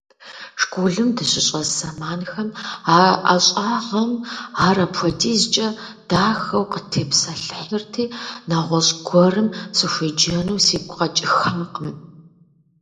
Школым дыщыщӀэс зэманхэм а ӀэщӀагъэм ар апхуэдизкӀэ дахэу къытхутепсэлъыхьырти, нэгъуэщӀ гуэрым сыхуеджэну сигу къэкӀыхакъым.